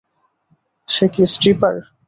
সে কি স্ট্রিপার?